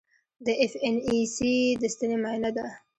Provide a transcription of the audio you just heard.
د ایف این ای سي د ستنې معاینه ده.